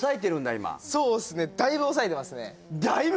今そうですねだいぶ抑えてますねだいぶ？